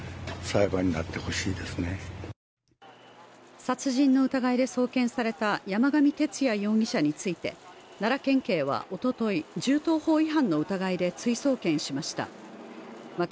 殺人の疑いで送検された山上徹也容疑者について奈良県警はおととい銃刀法違反の疑いで追送検しました。